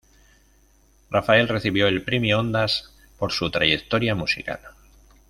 Raphael recibió el Premio Ondas por su trayectoria musical.